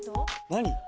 何？